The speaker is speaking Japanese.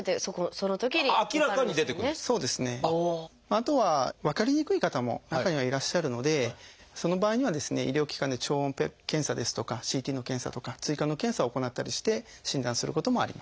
あとは分かりにくい方も中にはいらっしゃるのでその場合にはですね医療機関で超音波検査ですとかＣＴの検査とか追加の検査を行ったりして診断することもあります。